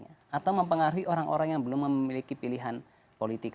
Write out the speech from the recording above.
atau mempengaruhi orang orang yang belum memiliki pilihan politik